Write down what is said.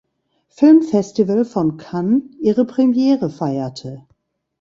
Filmfestival von Cannes ihre Premiere feierte.